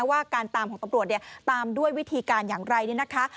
ว่าการตามของตำรวจเนี่ยตามด้วยวิธีการอย่างไรเนี่ยนะคะ